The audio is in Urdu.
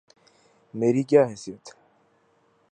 میری کیا حیثیت؟